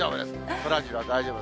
そらジロー、大丈夫。